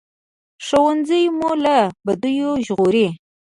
ښوونځی مو له بدیو ژغوري